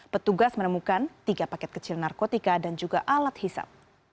petugas menemukan tiga paket kecil narkotika dan juga alat hisap